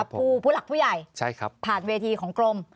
ผู้หลักผู้ใหญ่ผ่านเวทีของกรม